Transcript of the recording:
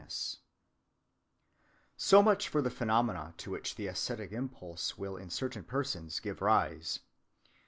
"(184) So much for the phenomena to which the ascetic impulse will in certain persons give rise.